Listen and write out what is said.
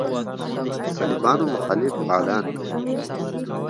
د طالبانو مخالف فعالان دي.